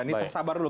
ini tersabar dulu